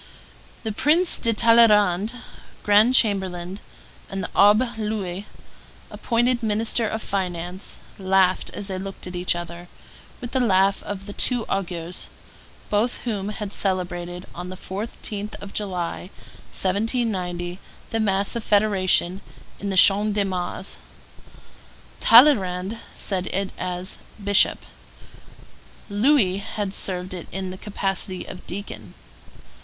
The Prince de Talleyrand, grand chamberlain, and the Abbé Louis, appointed minister of finance, laughed as they looked at each other, with the laugh of the two augurs; both of them had celebrated, on the 14th of July, 1790, the mass of federation in the Champ de Mars; Talleyrand had said it as bishop, Louis had served it in the capacity of deacon.